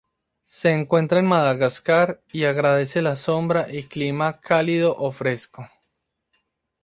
Se encuentra en Madagascar y agradece la sombra y clima cálido o fresco.